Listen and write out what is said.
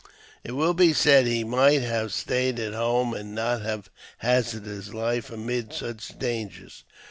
It will be said, " He might have stayed at home, and not have hazarded his life amid such dangers."